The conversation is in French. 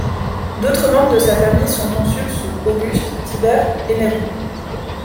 D'autres membres de sa famille sont consuls sous Auguste, Tibère et Néron.